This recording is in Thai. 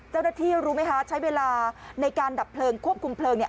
เจ้าหน้าที่รู้ไหมคะใช้เวลาในการดับเพลิงควบคุมเพลิงเนี่ย